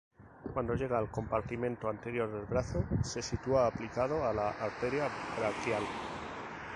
Cuando llega al compartimento anterior del brazo se sitúa aplicado a la arteria braquial.